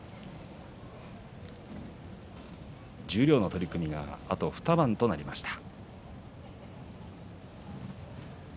十両の取組があと２番となりました。